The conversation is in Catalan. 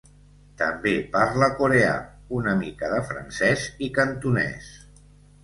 També parla coreà, una mica de francès i cantonès.